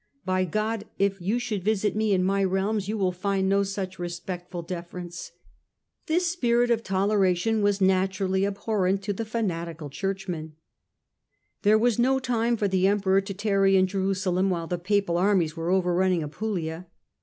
By God, if you should visit me in my realms you will find no such respectful deference." This spirit of toleration was naturally abhorrent to the fanati cal Churchmen. There was no time for the Emperor to tarry in Jeru salem while the Papal armies were overrunning Apulia.